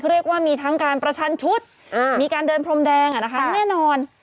เรียกว่ามีทั้งการประชันชุดมีการเดินพรมแดงแน่นอน